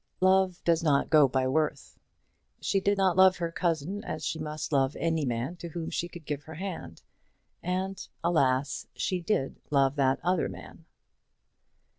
Love does not go by worth. She did not love her cousin as she must love any man to whom she could give her hand, and, alas! she did love that other man.